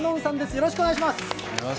よろしくお願いします。